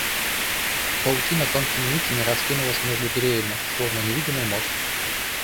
Паутина тонкими нитями раскинулась между деревьями, словно невидимый мост.